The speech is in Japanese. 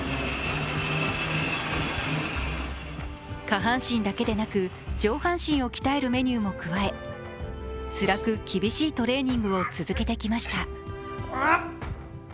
下半身だけでなく上半身を鍛えるメニューも加え、つらく厳しいトレーニングを続けてきました。